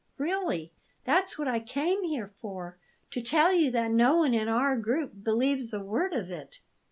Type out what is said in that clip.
Really, that's what I came here for to tell you that no one in our group believes a word of it."